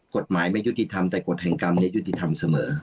กฎหมายไม่ยุติธรรมแต่กฎแห่งกรรมนี้ยุติธรรมเสมอ